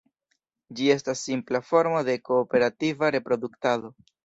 Ĝi estas simpla formo de kooperativa reproduktado.